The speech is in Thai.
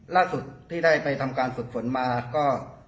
ล่าสุดที่ได้ไปทำการฝึกฝนมาก็